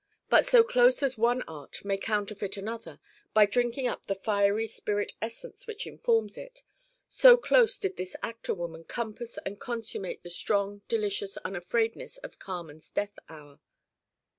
But so close as one art may counterfeit another, by drinking up the fiery spirit essence which informs it, so close did this actor woman compass and consummate the strong delicious unafraidness of Carmen's death hour.